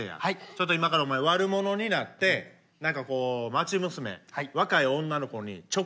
ちょっと今からお前悪者になって何かこう町娘若い女の子にちょっかいかけといて。